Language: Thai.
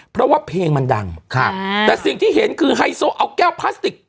เพราะว่าเพลงมันดังครับแต่สิ่งที่เห็นคือไฮโซเอาแก้วพลาสติก